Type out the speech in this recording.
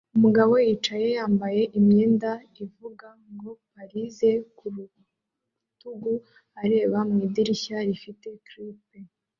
Umugabo yicaye yambaye imyenda ivuga ngo "Polize" ku rutugu areba mu idirishya rifite clip